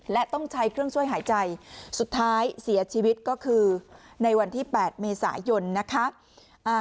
และต้องใช้เครื่องช่วยหายใจสุดท้ายเสียชีวิตก็คือในวันที่๘เมษายนนะคะ